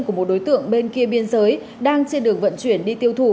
của một đối tượng bên kia biên giới đang trên đường vận chuyển đi tiêu thụ